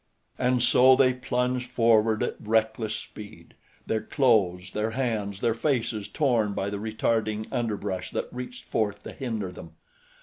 And so they plunged forward at reckless speed, their clothes, their hands, their faces torn by the retarding underbrush that reached forth to hinder them.